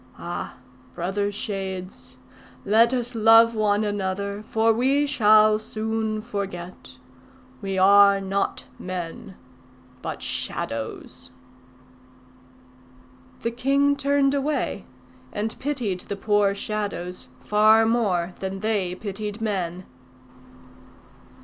Ah, brother Shades! let us love one another, for we shall soon forget. We are not men, but Shadows." The king turned away, and pitied the poor Shadows far more than they pitied men.